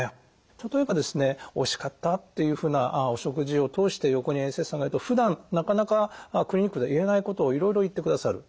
例えばですねおいしかったっていうふうなお食事を通して横に衛生士さんがいるとふだんなかなかクリニックで言えないことをいろいろ言ってくださる。